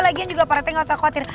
lagian juga pak rete gak usah khawatir